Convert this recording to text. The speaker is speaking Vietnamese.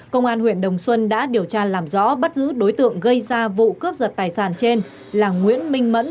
công an huyện đồng xuân đã điều tra làm rõ bắt giữ đối tượng gây ra vụ cướp giật tài sản trên là nguyễn minh mẫn